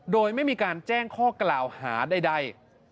โดยไม่มีการแจ้งข้อกล่าวหาใด